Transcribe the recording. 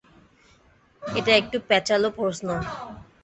এটা একটু প্যাঁচালো প্রশ্ন।